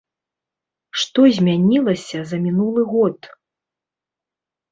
Што змянілася за мінулы год?